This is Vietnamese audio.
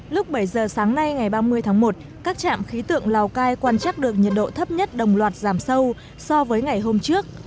lúc bảy giờ sáng nay ngày ba mươi tháng một các trạm khí tượng lào cai quan trắc được nhiệt độ thấp nhất đồng loạt giảm sâu so với ngày hôm trước